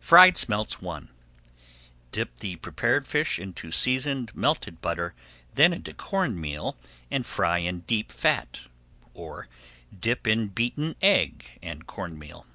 FRIED SMELTS I Dip the prepared fish into seasoned, melted butter, then into corn meal, and fry in deep fat. Or, dip in beaten egg and corn meal.